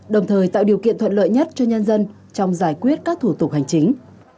đồng thời tạo điều kiện thuận lợi nhất cho nhân dân trong giải quyết các thủ tục hành chính